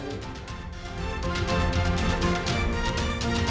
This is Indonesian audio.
jangan kemana mana tetap bersama kami